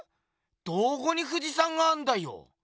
どこに富士山があんだよ？